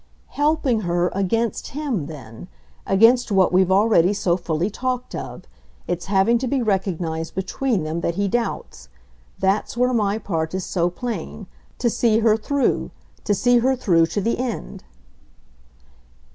"Helping her against him then. Against what we've already so fully talked of its having to be recognised between them that he doubts. That's where my part is so plain to see her through, to see her through to the end."